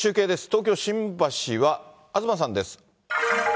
東京・新橋は東さんです。